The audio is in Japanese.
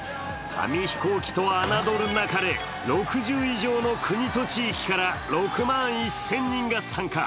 紙飛行機と侮るなかれ６０以上の国と地域から６万１０００人が参加。